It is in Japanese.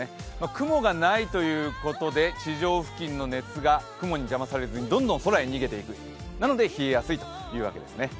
雲がないということで、地上付近の熱が雲に邪魔されずにどんどん空へ逃げていくので冷えやすいというわけですね。